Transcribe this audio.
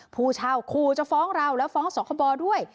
ผู้เช่าขู่จะฟ้องเราแล้วฟ้องสคบด้วย